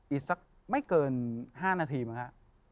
อีกสักไม่เกิน๕นาทีมั้งฮะ